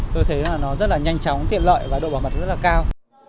tôi thấy là nó rất là nhanh chóng tiện lợi và độ bảo mật rất là cao